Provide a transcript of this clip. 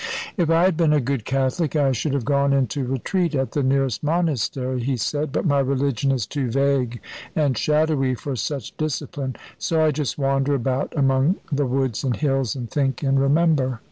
"If I had been a good Catholic, I should have gone into retreat at the nearest monastery," he said; "but my religion is too vague and shadowy for such discipline; so I just wander about among the woods and hills, and think, and remember."